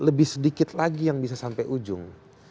lebih sedikit lagi yang bisa sampai ujung